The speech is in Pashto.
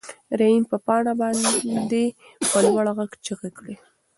رحیم په پاڼه باندې په لوړ غږ چیغې کړې.